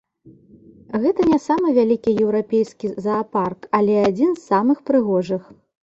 Гэта не самы вялікі еўрапейскі заапарк, але адзін з самых прыгожых.